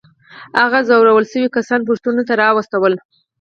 هغه ځورول شوي کسان پوستونو ته راوستل.